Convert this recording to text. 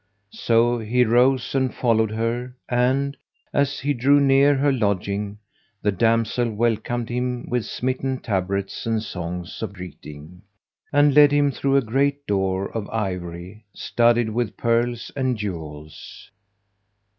So he rose and followed her and, as he drew near her lodging, the damsels welcomed him with smitten tabrets and songs of greeting, and led him through a great door of ivory studded with pearls and jewels.